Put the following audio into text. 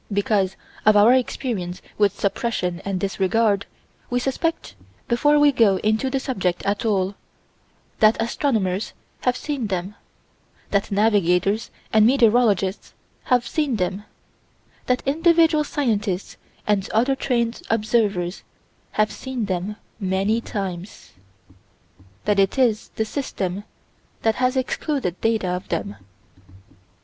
Because of our experience with suppression and disregard, we suspect, before we go into the subject at all, that astronomers have seen them; that navigators and meteorologists have seen them; that individual scientists and other trained observers have seen them many times That it is the System that has excluded data of them.